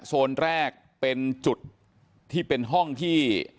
โซนแรกเป็นจุดที่เป็นห้องที่